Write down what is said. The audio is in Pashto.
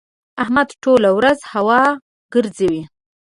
احمد ټوله ورځ هوا ګزوي.